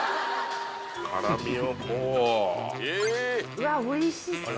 ・うわおいしそう。